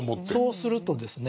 そうするとですね